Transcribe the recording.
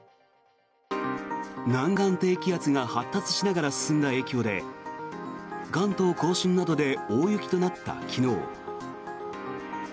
南岸低気圧が発達しながら進んだ影響で関東・甲信などで大雪となった昨日。